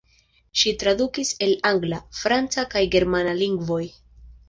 Ŝi tradukis el angla, franca kaj germana lingvoj.